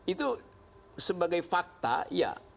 itu sebagai fakta iya